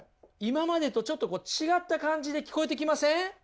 今までとちょっと違った感じで聞こえてきません？